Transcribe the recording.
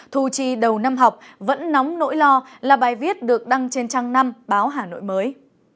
thu chi đầu năm học vẫn nóng nỗi lo là bài viết được đăng trên trang năm báo hà nội mới